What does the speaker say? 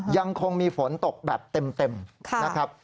ยังคงมีฝนตกแบบเต็มนะครับ